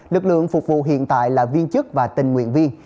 lực lượng phục vụ hiện tại là viên chức và tình nguyện viên